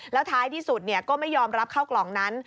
แล้วท้ายที่สุดก็ไม่ยอมรับเข้ากล่องนั้น